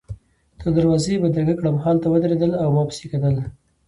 تر دروازې يې بدرګه کړم، هلته ودرېدل او ما پسي کتل.